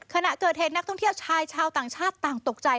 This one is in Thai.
ขณะเกิดเหตุนักท่องเที่ยวชายชาวต่างชาติต่างตกใจ